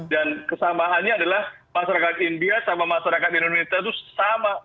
dan kesamahannya adalah masyarakat india sama masyarakat indonesia itu sama